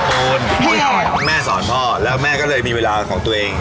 เปรียบภูมิแม่สอนพ่อแล้วแม่ก็เลยมีเวลาของตัวเอง